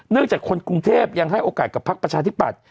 จากคนกรุงเทพยังให้โอกาสกับพักประชาธิปัตย